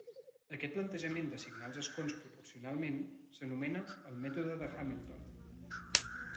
Aquest plantejament d'assignar els escons proporcionalment s'anomena el mètode de Hamilton.